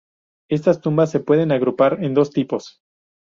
Estas tumbas se pueden agrupar en dos tipos.